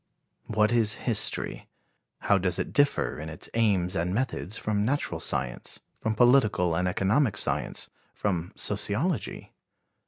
What is history? How does it differ in its aims and methods from natural science, from political and economic science, from sociology?